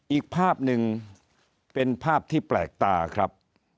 อีกภาพหนึ่งเป็นภาพที่แปลกตาครับ